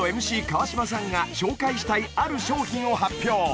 ＭＣ川島さんが紹介したいある商品を発表